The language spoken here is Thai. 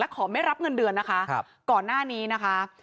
ขอไม่รับเงินเดือนนะคะก่อนหน้านี้นะคะ